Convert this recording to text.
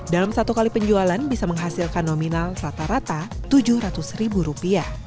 dalam satu kali penjualan bisa menghasilkan nominal rata rata tujuh ratus ribu rupiah